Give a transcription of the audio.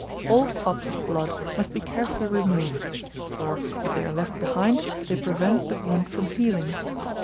All clots of blood must be carefully removed; for, if they are left behind, they prevent the wound from healing.